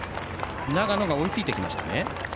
長野が追いついてきましたね。